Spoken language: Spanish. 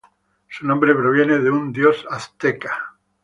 Su nombre proviene de un dios azteca.